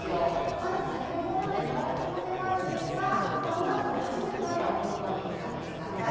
ただ先の予報なので、変わる可能性もありますが、５月の初めの晴れを有効に使ってください。